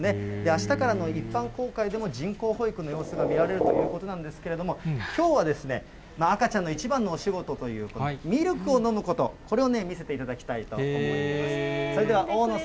あしたからの一般公開でも、人工哺育の様子が見られるということなんですけれども、きょうはですね、赤ちゃんの一番のお仕事という、ミルクを飲むこと、これをね、見せていただきたいと思います。